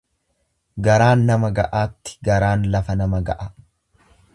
Garaan nama ga'aatti garaan lafa nama ga'a.